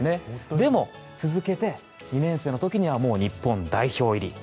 でも、続けて２年生の時には日本代表入り。